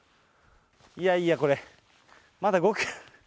いやいや、これ、まだ５キロ。